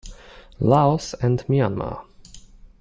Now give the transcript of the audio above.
Laos, and Myanmar.